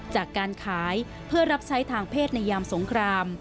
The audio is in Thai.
จากการขายเพื่อรับใช้ทางเพศในยามสงคราม